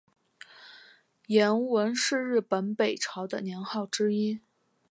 延文是日本北朝的年号之一。